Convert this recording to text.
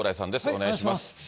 お願いします。